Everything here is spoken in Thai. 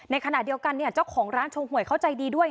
ในขณะเดียวกันเนี่ยเจ้าของร้านชงหวยเขาใจดีด้วย